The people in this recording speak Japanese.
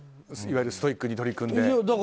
いわゆるストイックに取り組むと。